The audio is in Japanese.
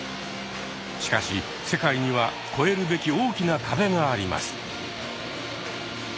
しかし世界には越えるべき大きな壁があります。